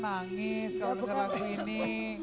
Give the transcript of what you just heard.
nangis kalau denger lagu ini